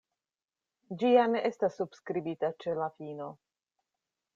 Ĝi ja ne estas subskribita ĉe la fino.